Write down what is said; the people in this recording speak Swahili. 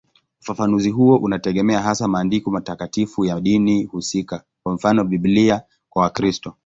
Ufafanuzi huo unategemea hasa maandiko matakatifu ya dini husika, kwa mfano Biblia kwa Wakristo.